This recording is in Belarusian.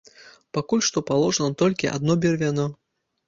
Пакуль што паложана толькі адно бервяно.